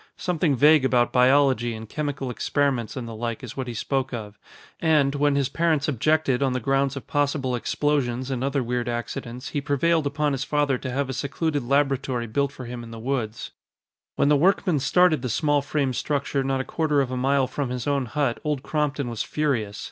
Something vague about biology and chemical experiments and the like is what he spoke of, and, when his parents objected on the grounds of possible explosions and other weird accidents, he prevailed upon his father to have a secluded laboratory built for him in the woods. When the workmen started the small frame structure not a quarter of a mile from his own hut, Old Crompton was furious.